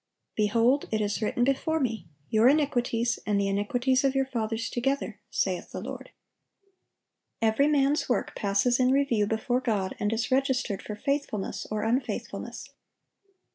(847) "Behold, it is written before Me, ... your iniquities, and the iniquities of your fathers together, saith the Lord."(848) Every man's work passes in review before God, and is registered for faithfulness or unfaithfulness.